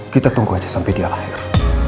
kita tunggu aja sampai dia lahir